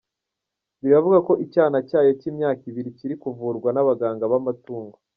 Biravugwa ko icyana cyayo cy’imyaka ibiri kiri kuvurwa n’abaganga b’amatungo.